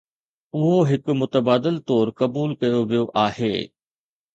اهو هڪ متبادل طور قبول ڪيو ويو آهي.